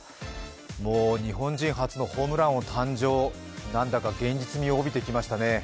もう日本人初のホームラン王誕生なんだか現実味を帯びてきましたね。